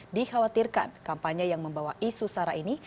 dihawatirkan kampanye yang membawa isu sarah ini